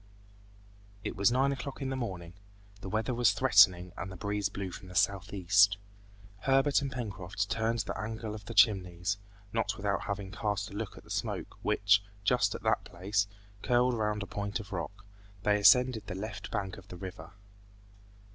It was nine o'clock in the morning. The weather was threatening and the breeze blew from the southeast. Herbert and Pencroft turned the angle of the Chimneys, not without having cast a look at the smoke which, just at that place, curled round a point of rock: they ascended the left bank of the river.